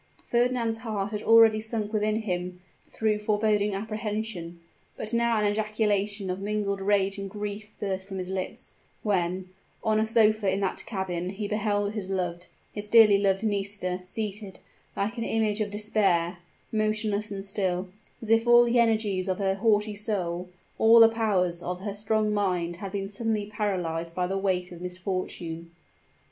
Fernand's heart had already sunk within him through foreboding apprehension; but now an ejaculation of mingled rage and grief burst from his lips, when, on a sofa in that cabin, he beheld his loved his dearly loved Nisida, seated "like an image of despair," motionless and still, as if all the energies of her haughty soul, all the powers of her strong mind had been suddenly paralyzed by the weight of misfortune!